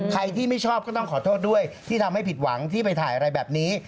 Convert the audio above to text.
ใครที่ไม่ชอบก็ต้องขอโทษด้วยที่ทำให้ผิดหวังที่ไปถ่ายอะไรแบบนี้